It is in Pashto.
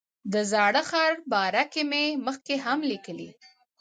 د زاړه ښار باره کې مې مخکې هم لیکلي.